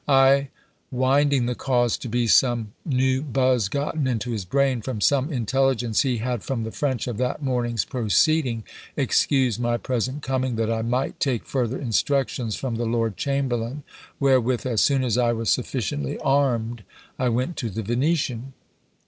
I, winding the cause to be some new buzz gotten into his brain, from some intelligence he had from the French of that morning's proceeding, excused my present coming, that I might take further instructions from the lord chamberlain; wherewith, as soon as I was sufficiently armed, I went to the Venetian."